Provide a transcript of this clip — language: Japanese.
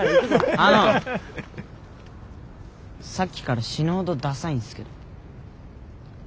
あのさっきから死ぬほどダサいんすけど。